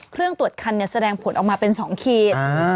เครื่องตรวจคันแสดงผลออกมาเป็น๒ขีด